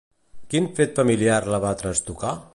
Quin fet familiar la va trastocar?